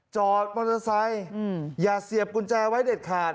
จอดมอเตอร์ไซค์อย่าเสียบกุญแจไว้เด็ดขาด